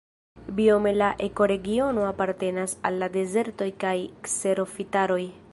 Biome la ekoregiono apartenas al la dezertoj kaj kserofitaroj.